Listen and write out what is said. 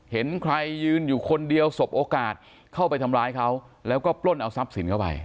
เห็นใครยืนอยู่คนเดียวสบโอกาสเข้าไปทำร้ายเขาแล้วก็ปล้นเอาทรัพย์สินเข้าไป